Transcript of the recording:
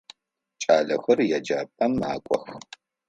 Кӏалэхэр еджапӏэм макӏох.